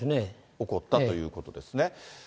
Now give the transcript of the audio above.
起こったということですね。